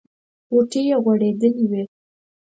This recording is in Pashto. غوټۍ یې غوړېدلې وې.